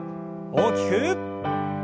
大きく。